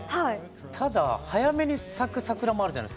ただ早めに咲く桜もあるじゃないですか。